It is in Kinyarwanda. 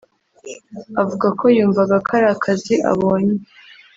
Avuga ko yumvaga ko ari akazi abonye